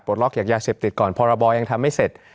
ล็อกจากยาเสพติดก่อนพรบยังทำไม่เสร็จ